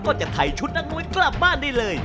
ก็จะถ่ายชุดนักมวยกลับบ้านได้เลย